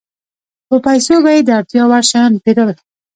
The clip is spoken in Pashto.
په پیسو به یې د اړتیا وړ شیان پېرل